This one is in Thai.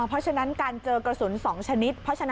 เพราะฉะนั้นในการเจอกระสุนสองชนิด